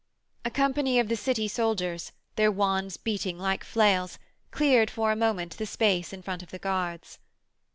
A company of the City soldiers, their wands beating like flails, cleared for a moment the space in front of the guards.